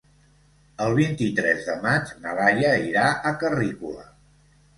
El vint-i-tres de maig na Laia irà a Carrícola.